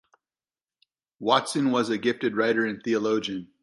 Watson was a gifted writer and theologian.